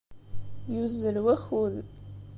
Yuzzel wakud.